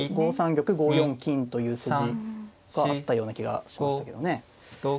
玉５四金という筋があったような気がしましたけどね。